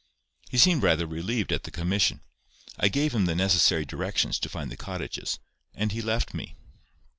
He seemed rather relieved at the commission. I gave him the necessary directions to find the cottages, and he left me.